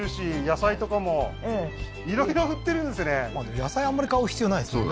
野菜あんまり買う必要ないですもんね